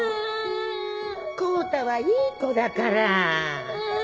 康太はいい子だから。